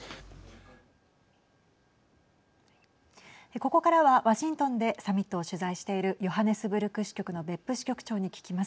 ここからはワシントンでサミットを取材しているヨハネスブルク支局の別府支局長に聞きます。